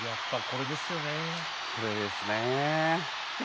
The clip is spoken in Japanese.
これですね。